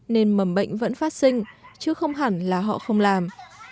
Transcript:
nên mầm bệnh vẫn phát sinh chứ không hẳn là họ không làm